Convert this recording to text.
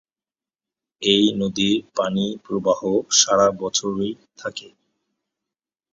এই নদীর পানিপ্রবাহ সারা বছরই থাকে।